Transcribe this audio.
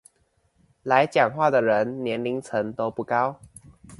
來講話的人年齡層都不高